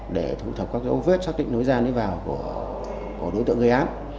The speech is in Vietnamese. để thu thập các dấu vết xác định nối gian vào của đối tượng gây án